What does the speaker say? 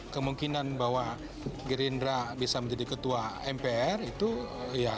kemungkinan bahwa gerindra bisa menjadi ketua mpr itu ya